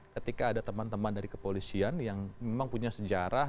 ketika ada teman teman dari kepolisian yang memang punya sejarah